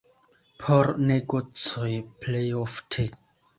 Por negocoj plej ofte.